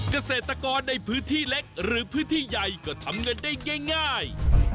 เกษตรกรในพื้นที่เล็กหรือพื้นที่ใหญ่ก็ทำเงินได้ง่าย